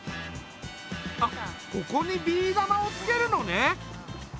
あっここにビー玉をつけるのね。